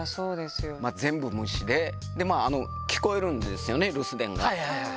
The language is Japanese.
全部無視で、まあ、聞こえるんですよね、留守電が。